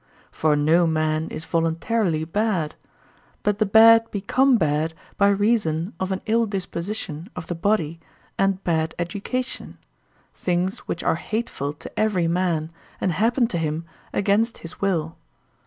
For no man is voluntarily bad; but the bad become bad by reason of an ill disposition of the body and bad education, things which are hateful to every man and happen to him against his will.